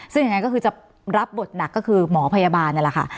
ซึ่งอย่างนั้นก็คือจะรับบทหนักก็คือหมอพยาบาลนี่แหละค่ะ